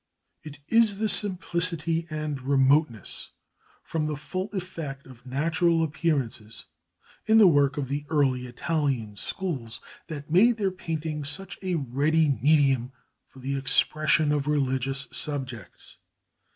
It is the simplicity and remoteness from the full effect of natural appearances in the work of the early Italian schools that made their painting such a ready medium for the expression of religious subjects.